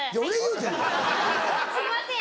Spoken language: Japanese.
すいません。